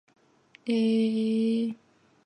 庇隆扩大政府花费。